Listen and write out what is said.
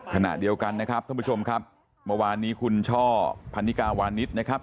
ขณะเดียวกันนะครับท่านผู้ชมครับเมื่อวานนี้คุณช่อพันนิกาวานิสนะครับ